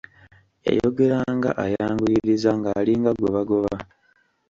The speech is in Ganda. Yayogeranga ayanguyiriza ng'alinga gwe bagoba.